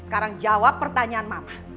sekarang jawab pertanyaan mama